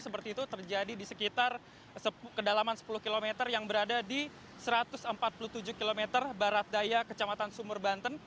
seperti itu terjadi di sekitar kedalaman sepuluh km yang berada di satu ratus empat puluh tujuh km barat daya kecamatan sumur banten